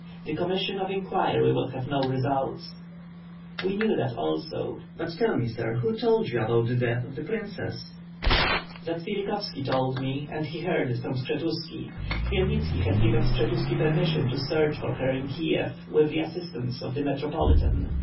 The commission of inquiry will have no results." "We knew that also; but tell me, sir, who told you about the death of the princess?" "Zatsvilikhovski told me and he heard it from Skshetuski. Khmyelnitski had given Skshetuski permission to search for her in Kiev, with the assistance of the Metropolitan.